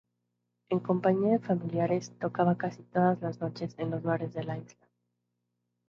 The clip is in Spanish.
En compañía de familiares, tocaba casi cada noche en los bares de la isla.